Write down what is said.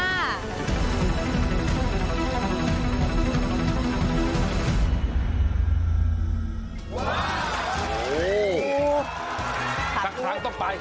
สักครั้งต้องไป